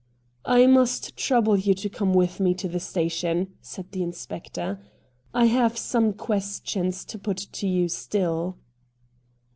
' I must trouble you to come with me to the station,' said the inspector. ' I have some questions to put to you still.'